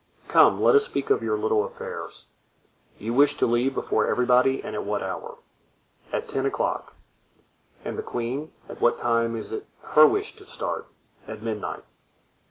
Come, let us speak of your little affairs. You wish to leave before everybody and at what hour?" "At ten o'clock." "And the queen, at what time is it her wish to start?" "At midnight."